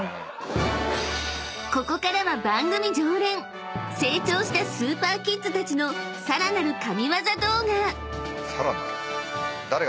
［ここからは番組常連成長したスーパーキッズたちのさらなる神ワザ動画］